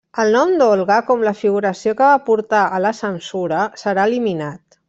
El nom d'Olga, com la figuració que va portar a la censura, serà eliminat.